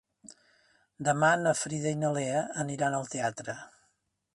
Demà na Frida i na Lea aniran al teatre.